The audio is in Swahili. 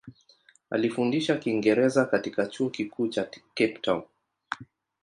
Alifundisha Kiingereza katika Chuo Kikuu cha Cape Town.